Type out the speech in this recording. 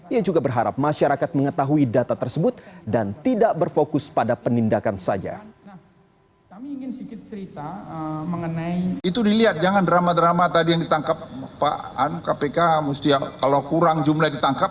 ia juga berharap masyarakat mengetahui data tersebut dan tidak berfokus pada penindakan saja